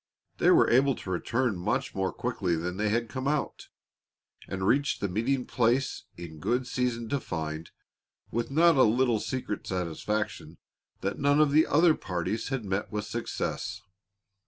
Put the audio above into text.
They were able to return much more quickly than they had come out, and reached the meeting place in good season to find, with not a little secret satisfaction, that none of the other parties had met with success.